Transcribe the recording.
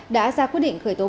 đã ra quyết định khởi tố vụ án